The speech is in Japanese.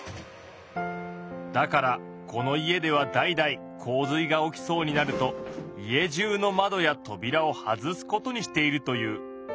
だからこの家では代々洪水が起きそうになると家じゅうの窓やとびらを外すことにしているという。